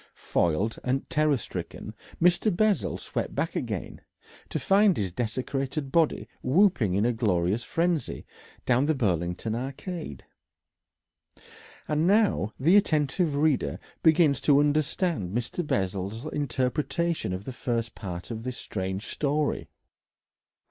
Foiled and terror stricken, Mr. Bessel swept back again, to find his desecrated body whooping in a glorious frenzy down the Burlington Arcade.... And now the attentive reader begins to understand Mr. Bessel's interpretation of the first part of this strange story.